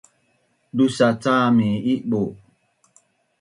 dusa’ cam mi Ibu